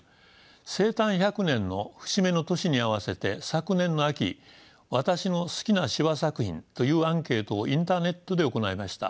生誕１００年の節目の年に合わせて昨年の秋「私の好きな司馬作品」というアンケートをインターネットで行いました。